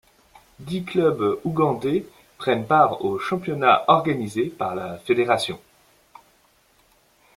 Dix clubs ougandais prennent part au championnat organisé par la fédération.